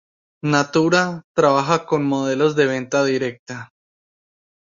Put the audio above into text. Natura trabaja con modelos de venta directa.